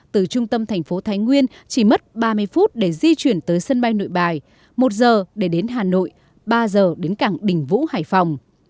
từ trung tâm thành phố thái nguyên chỉ mất ba mươi phút để di chuyển tới sân bay nội bài một giờ để đến hà nội ba giờ đến cảng đình vũ hải phòng